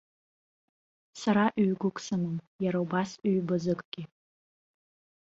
Сара ҩ-гәык сымам, иара убас ҩ-бзыкгьы.